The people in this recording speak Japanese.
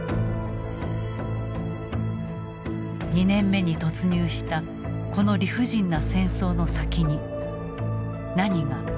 ２年目に突入したこの理不尽な戦争の先に何が待ち受けているのか。